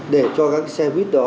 để cho các cái xe buýt đó